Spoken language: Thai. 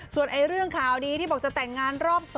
ส่วนเรื่องข่าวดีที่บอกจะแต่งงานรอบ๒